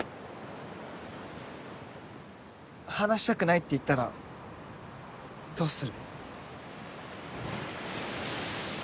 離したくないって言ったらどうする？